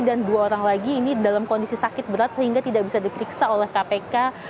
dan dua orang lagi ini dalam kondisi sakit berat sehingga tidak bisa diperiksa oleh kpk